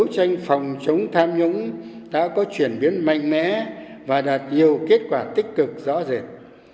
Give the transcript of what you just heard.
tranh phòng chống tham nhũng đã có chuyển biến mạnh mẽ và đạt nhiều kết quả tích cực rõ rệt